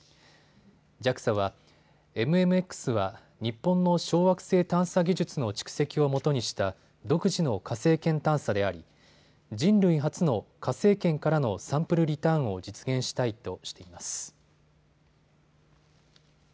ＪＡＸＡはＭＭＸは日本の小惑星探査技術の蓄積をもとにした独自の火星圏探査であり人類初の火星圏からのサンプルリターンを実現したいとしています。